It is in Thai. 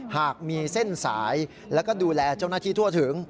หากมีเส้นสายแล้วก็ดูแลเจ้าหน้าที่ทั่วถึง